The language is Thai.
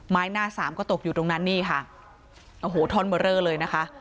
ไม้หน้าสามก็ตกอยู่ตรงนั้นนี่ค่ะโอ้โหเลยนะคะ